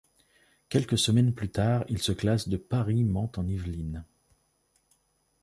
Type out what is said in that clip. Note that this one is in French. Quelques semaines plus tard, il se classe de Paris-Mantes-en-Yvelines.